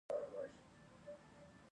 د افغانستان میوه عضوي ده